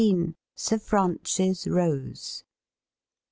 SIE FEANCIS ROSE.